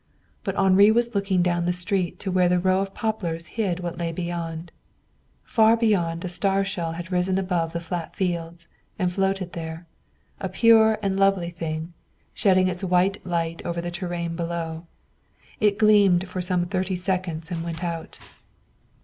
But Henri was looking down the street to where the row of poplars hid what lay beyond. Far beyond a star shell had risen above the flat fields and floated there, a pure and lovely thing, shedding its white light over the terrain below. It gleamed for some thirty seconds and went out.